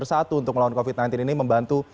bersatu untuk melawan covid sembilan belas ini membantu